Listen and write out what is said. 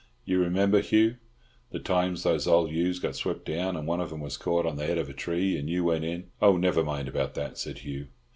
You remember, Hugh, the time those old ewes got swept down and one of 'em was caught on the head of a tree, and you went in—" "Oh, never mind about that," said Hugh.